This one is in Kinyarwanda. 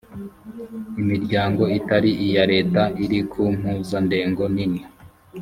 imiryango itari iya leta iri ku mpuzandengo nini.